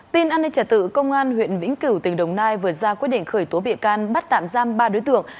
tin an ninh trả tự công an huyện vĩnh cửu tỉnh đồng nai vừa ra quyết định khởi tố bị can bắt tạm giam ba đối tượng